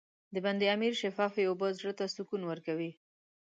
د بند امیر شفافې اوبه زړه ته سکون ورکوي.